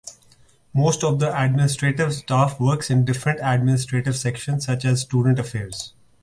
Most of the administrative staff works in different administrative sections, such as Student Affairs.